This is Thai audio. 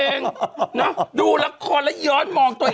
เป็นการกระตุ้นการไหลเวียนของเลือด